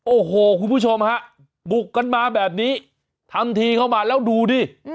โอ้โหคุณผู้ชมฮะบุกกันมาแบบนี้ทำทีเข้ามาแล้วดูดิ